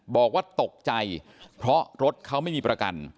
บอกว่าตกใจเพราะรถเขาไม่มีประกัน